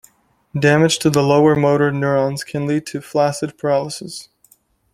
Damage to the lower motor neurons can lead to flaccid paralysis.